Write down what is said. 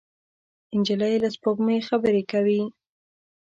نجلۍ له سپوږمۍ خبرې کوي.